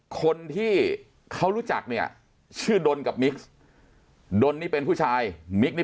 คนที่เขารู้จักเนี่ยชื่อดนกับมิกซ์ดนนี่เป็นผู้ชายมิกนี่